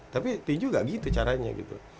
tapi tinju gak gitu caranya gitu